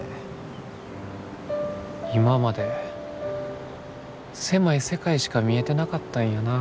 今まで狭い世界しか見えてなかったんやな。